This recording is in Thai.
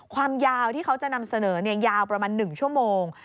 ความยาวที่เขาจะนำเสนอยาวประมาณ๑ชั่วโมง